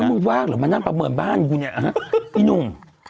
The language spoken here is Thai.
มึงว่างเหรอมานั่งประเมินบ้านกูเนี่ยพี่หนุ่ม